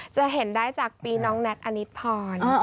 จะเห็นได้จากปีน้องนัทอนิสพร